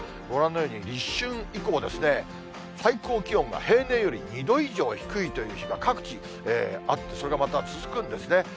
ご覧のように立春以降ですね、最高気温が平年より２度以上低いという日が各地あってそれがまた、続くんですね。